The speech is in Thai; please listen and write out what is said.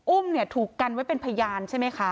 อุ้มเนี่ยถูกกันไว้เป็นพยานใช่ไหมคะ